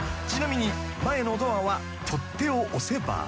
［ちなみに前のドアは取っ手を押せば］